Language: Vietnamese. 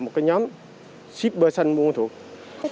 một nhóm shipper xanh bùa ma thuột